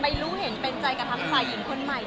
รู้เห็นเป็นใจกับทั้งฝ่ายหญิงคนใหม่